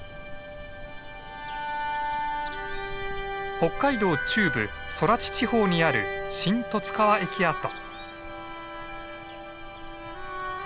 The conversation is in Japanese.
北海道中部空知地方にある新十津川駅跡。